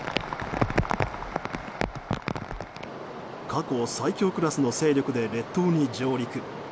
過去最強クラスの勢力で列島に上陸。